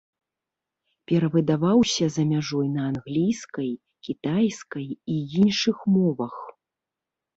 Перавыдаваўся за мяжой на англійскай, кітайскай і іншых мовах.